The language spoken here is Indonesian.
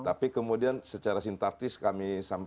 tapi kemudian secara sintaktis kami